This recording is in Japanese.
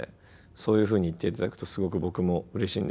そういうふうに言っていただくとすごく僕もうれしいんですが。